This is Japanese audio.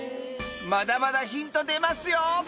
まだまだヒント出ますよ